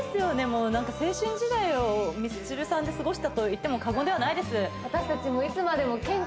もうなんか青春時代をミスチルさんで過ごしたと言っても過言ではないです